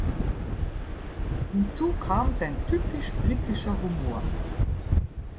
Hinzu kam sein typisch britischer Humor.